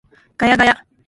ガヤガヤ